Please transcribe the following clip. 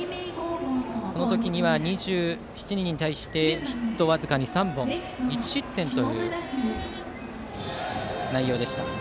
その時には２７人に対してヒット僅か３本１失点という内容でした。